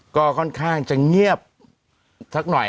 ก็ค่อนข้างจะเงียบสักหน่อย